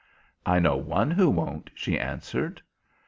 "I know one who won't," she answered.